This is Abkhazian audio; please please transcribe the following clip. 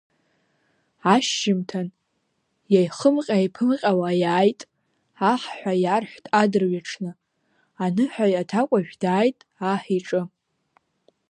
Ашьжьымҭан иаихымҟьа-еиԥымҟьауа иааит, аҳ ҳәа иарҳәт адырҩаҽны, аныҳәаҩ аҭакәажә дааит аҳ иҿы.